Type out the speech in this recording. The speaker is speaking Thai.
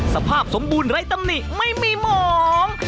สภาพสมบูรณ์ไร้ตำหนิไม่มีหมอง